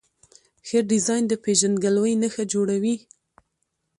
ښه ډیزاین د پېژندګلوۍ نښه جوړوي.